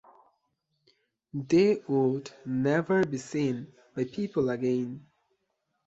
They would never be seen by people again.